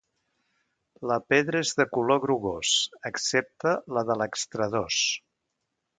La pedra és de color grogós, excepte la de l'extradós.